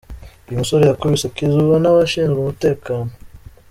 Uyu musore yakubiswe akizwa n'abashinzwe umutekano.